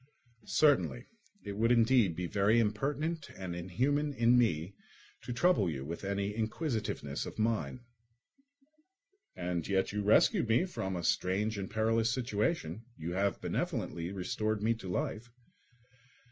"Certainly; it would indeed be very impertinent and inhuman in me to trouble you with any inquisitiveness of mine." "And yet you rescued me from a strange and perilous situation; you have benevolently restored me to life."